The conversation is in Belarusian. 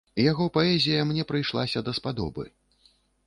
Яго паэзія мне прыйшлася даспадобы.